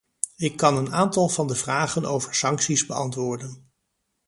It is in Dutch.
Ik kan een aantal van de vragen over sancties beantwoorden.